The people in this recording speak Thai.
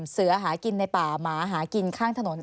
เสือหากินในป่าหมาหากินข้างถนน